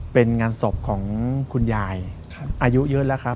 เป็นงานศพของคุณยายอายุเยอะแล้วครับ